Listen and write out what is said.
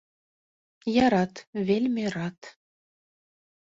Я рад, вельмі рад.